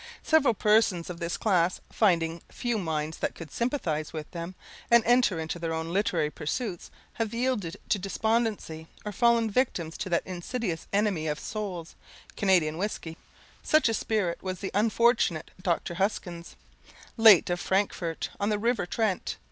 Several persons of this class, finding few minds that could sympathise with them, and enter into their literary pursuits, have yielded to despondency, or fallen victims to that insidious enemy of souls, Canadian whisky. Such a spirit was the unfortunate Dr. Huskins, late of Frankfort on the river Trent.